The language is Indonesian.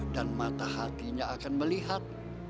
dan mata hatinya akan melihat